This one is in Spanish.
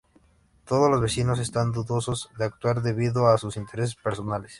Todos los vecinos están dudosos de actuar debido a sus intereses personales.